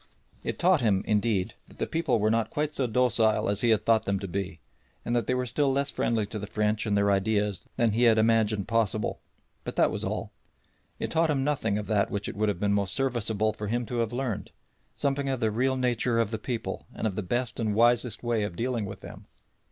It taught him, indeed, that the people were not quite so docile as he had thought them to be, and that they were still less friendly to the French and their ideas than he had imagined possible; but that was all. It taught him nothing of that which it would have been most serviceable for him to have learned something of the real nature of the people and of the best and wisest way of dealing with them.